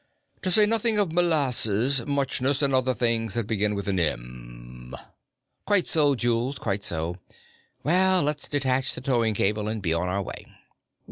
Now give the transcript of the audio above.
To say nothing of molasses, muchness, and other things that begin with an M." "Quite so, Jules; quite so. Well, let's detach the towing cable and be on our way."